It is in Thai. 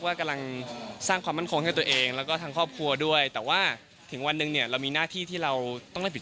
และรักษาว่ามีผลงานในหน้าที่ทั้งหมด